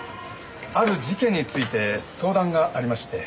ある事件について相談がありまして。